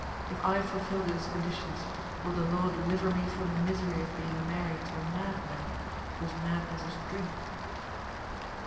If I fulfill those conditions, will the law deliver me from the misery of being married to a madman, whose madness is drink?